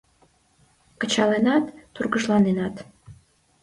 Кычалынат, тургыжланенат.